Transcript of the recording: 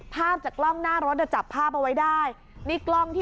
ภาพจากกล้องหน้ารถจับภาพเอาไว้ได้